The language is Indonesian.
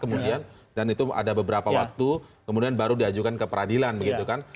kemudian dan itu ada beberapa waktu kemudian baru diajukan ke peradilan begitu kan